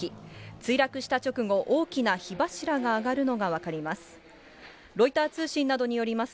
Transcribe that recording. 墜落した直後、大きな火柱が上がるのが分かります。